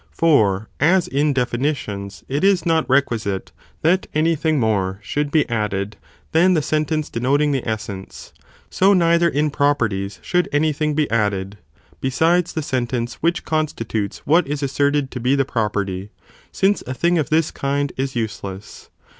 For as in definitions it is not requisite that any thing more should be added, than the sen tence denoting the essence, so neither in properties should any thing be added, besides the sentence which constitutes what is asserted to be the property, since a thing of this kind is useless.